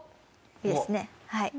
いいですねはい。